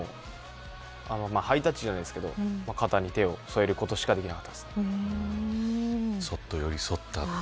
ハイタッチじゃないですけど肩に手を添えることしかそっと寄り添った。